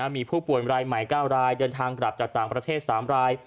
มีผู้ป่วยรายใหม่๙รายเดินทางกลับจากต่างประเทศ๓ราย